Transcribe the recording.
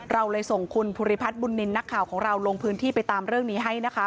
เราเลยส่งคุณภูริพัฒน์บุญนินทร์นักข่าวของเราลงพื้นที่ไปตามเรื่องนี้ให้นะคะ